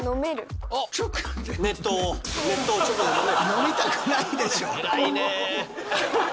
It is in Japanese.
飲みたくないでしょ！